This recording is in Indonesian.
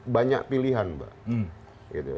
banyak pilihan pak